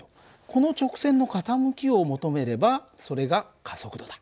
この直線の傾きを求めればそれが加速度だ。